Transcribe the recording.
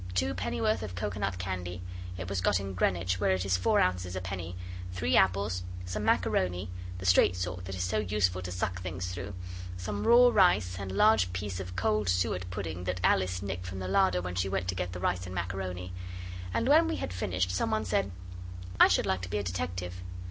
Two pennyworth of coconut candy it was got in Greenwich, where it is four ounces a penny three apples, some macaroni the straight sort that is so useful to suck things through some raw rice, and a large piece of cold suet pudding that Alice nicked from the larder when she went to get the rice and macaroni. And when we had finished some one said 'I should like to be a detective.